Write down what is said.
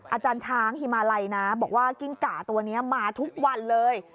อาจารย์ช้างฮิมาลัยนะบอกว่ากิ้งก่าตัวนี้มาทุกวันเลย